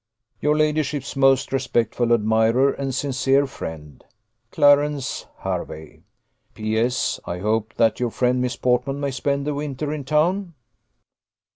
"Your ladyship's most respectful admirer, and sincere friend, "CLARENCE HERVEY." "P. S. Is there any hope that your friend, Miss Portman, may spend the winter in town?"